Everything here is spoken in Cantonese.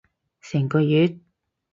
成個月？